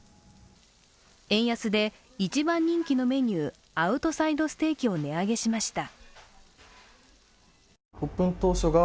円安で、一番人気のメニューアウトサイドステーキを値上げしました。